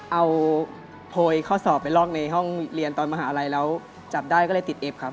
เอาโพยข้อสอบไปลอกในห้องเรียนตอนมหาลัยแล้วจับได้ก็เลยติดเอฟครับ